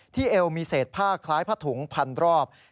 เอวมีเศษผ้าคล้ายผ้าถุงพันรอบ